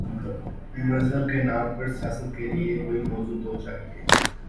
مذہب کے نام پر سیاست کے لیے کوئی موضوع تو چاہیے۔